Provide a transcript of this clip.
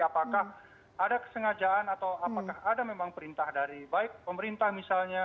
apakah ada kesengajaan atau apakah ada memang perintah dari baik pemerintah misalnya